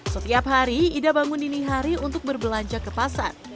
setiap hari ida bangun dini hari untuk berbelanja ke pasar